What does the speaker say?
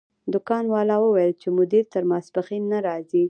دکان والا وویل چې مدیر تر ماسپښین نه راځي.